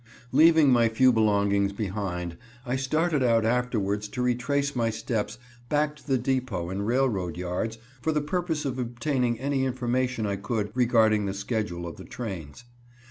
Leaving my few belongings behind, I started out afterwards to retrace my steps back to the depot and railroad yards for the purpose of obtaining any information I could regarding the schedule of the trains.